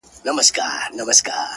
• بیرته سم پر لار روان سو ګړندی سو ,